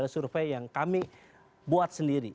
survei yang kami buat sendiri